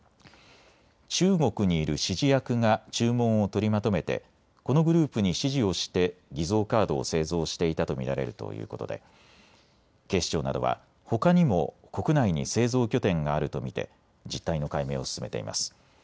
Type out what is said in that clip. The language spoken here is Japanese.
中国にいる指示役が注文を取りまとめてこのグループに指示をして偽造カードを製造していたと見られるということで警視庁などはほかにも国内に製造拠点があると見て実態の解明を進めています。